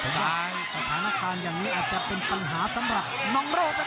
ซ้ายสถานการณ์อย่างนี้อาจจะเป็นปัญหาสำหรับน้องโรค